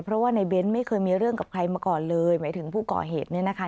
เพราะว่าในเบ้นไม่เคยมีเรื่องกับใครมาก่อนเลยหมายถึงผู้ก่อเหตุเนี่ยนะคะ